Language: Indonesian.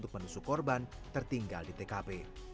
penusuk korban tertinggal di tkp